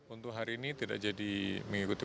untuk hari ini tidak jadi mengikuti